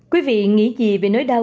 quý vị nghĩ gì về nỗi đau